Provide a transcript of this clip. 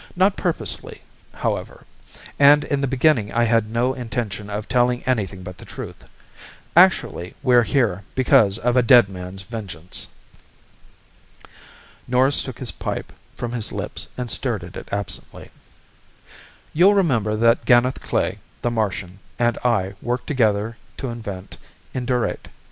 Not purposely, however. And in the beginning I had no intention of telling anything but the truth. Actually we're here because of a dead man's vengeance." Norris took his pipe from his lips and stared at it absently. "You'll remember that Ganeth Klae, the Martian, and I worked together to invent Indurate.